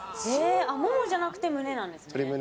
ももじゃなくて胸なんですね。